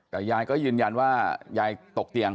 แต่ยายก็ยืนยันว่ายายตกเตียง